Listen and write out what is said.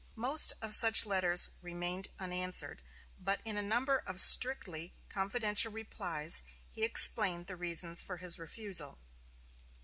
Most of such letters remained unanswered, but in a number of strictly confidential replies he explained the reasons for his refusal.